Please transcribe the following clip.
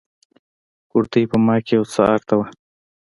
کورتۍ په ما کښې يو څه ارته وه.